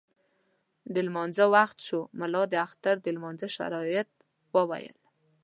د لمانځه وخت شو، ملا د اختر د لمانځه شرایط وویل.